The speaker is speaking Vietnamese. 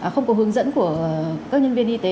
không có hướng dẫn của các nhân viên y tế